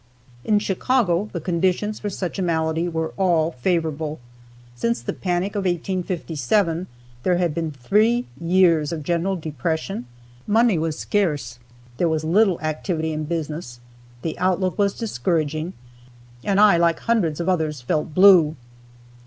In Chicago the conditions for such a malady were all favorable. Since the panic of 1857 there had been three years of general depression, money was scarce, there was little activity in business, the outlook was discouraging, and I, like hundreds of others, felt blue.